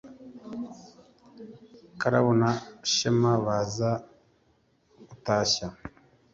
Karabo na Shema baza gutashya,